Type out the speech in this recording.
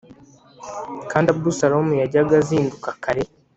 Kandi Abusalomu yajyaga azinduka kare